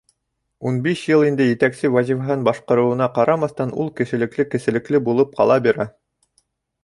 Ун биш йыл инде етәксе вазифаһын башҡарыуына ҡарамаҫтан, ул кешелекле, кеселекле булып ҡала бирә.